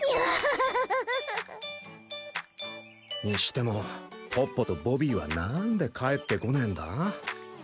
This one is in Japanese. にしてもトッポとボビーはなんで帰ってこねえんだ？